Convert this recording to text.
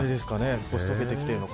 少し解けてきているのか。